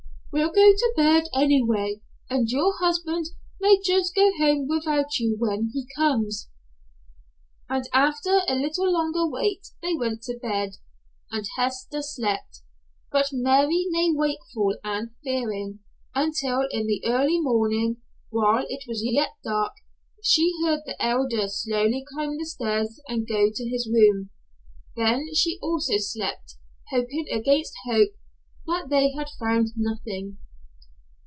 "We'll go to bed, anyway, and your husband may just go home without you when he comes." And after a little longer wait they went to bed, and Hester slept, but Mary lay wakeful and fearing, until in the early morning, while it was yet dark, she heard the Elder slowly climb the stairs and go to his room. Then she also slept, hoping against hope, that they had found nothing.